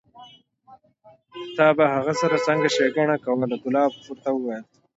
تا به هغو سره څنګه ښېګڼه کوله؟ کلاب ورته وویل: